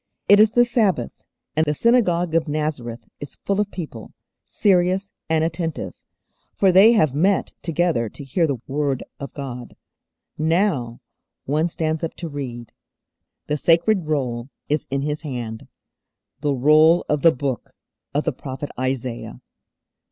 It is the Sabbath, and the synagogue of Nazareth is full of people, serious and attentive, for they have met together to hear the Word of God. Now One stands up to read. The sacred Roll is in His hand; the Roll of the Book of the prophet Isaiah.